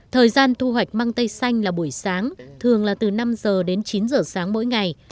thời gian thu hoạch măng tây xanh là buổi sáng thường là từ năm giờ đến chín giờ sáng mỗi ngày